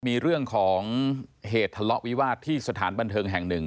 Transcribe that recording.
มีเรื่องของเหตุทะเลาะวิวาสที่สถานบันเทิงแห่งหนึ่ง